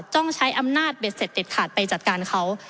ต้องใช้อำนาจเบ็ดเสร็จเด็ดขาดไปจัดการเขา